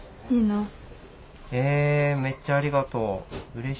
いいの。えめっちゃありがとう。